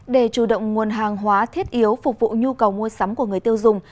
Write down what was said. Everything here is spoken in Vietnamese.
để chủ động nguồn hàng hóa thiết yếu phục vụ nhu cầu mua sắm của người tiêu dùng